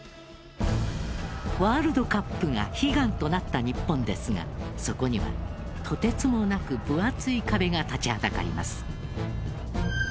ワールドカップが悲願となった日本ですがそこにはとてつもなく分厚い壁が立ちはだかります。